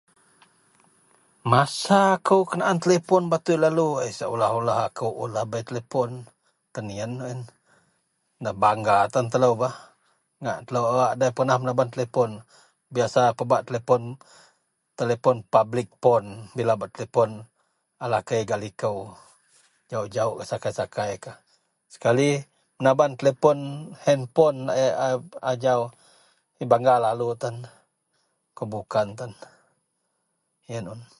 masa akou kenaan telepon batui lalu, seolah-olah akou unlah bei telepon, tan ien wak ien, nebangga tan telou bah, ngak telou wak da pernah menaban telepon biasa pebak telepon, telepon public pon bila bak telepon alekei gak liko jauk-jauk gak sakai-sakaikah, sekali menaban telepon handpon laie a ajau bangga lalu tan, bukan bukan tan ien un